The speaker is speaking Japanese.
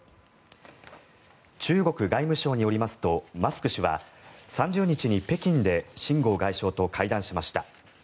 中国外務省によりますとマスク氏は、３０日に北京で秦剛外相と会談しました。